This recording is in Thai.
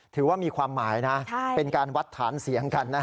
ถือว่ามีความหมายนะเป็นการวัดฐานเสียงกัน